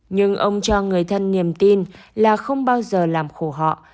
nhưng ông cho người thân niềm tin là không bao giờ làm khổ họ